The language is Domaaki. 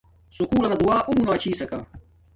سکُول لنا دُعا اُو مونا چھسکا